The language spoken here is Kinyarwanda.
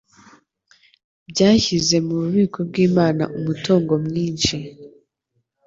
byashyize mu bubiko bw'Imana umutungo mwinshi